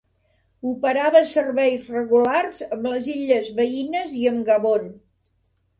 Operava serveis regulars amb les illes veïnes i amb Gabon.